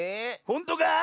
ほんとか⁉